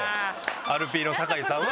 アルピーの酒井さんは。